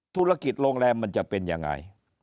ธุรกิจโรงแรมมันจะเป็นยังไง